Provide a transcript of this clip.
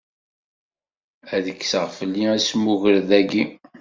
Ad kkseɣ fell-i asmugred-agi.